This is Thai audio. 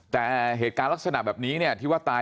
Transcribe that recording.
แต่เหตุการณ์ลักษณะแบบนี้เนี่ย